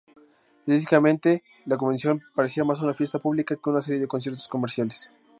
Estilísticamente, la convención parecía más una fiesta pública que una serie de conciertos comerciales.